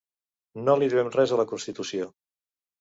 No li devem res a la constitució!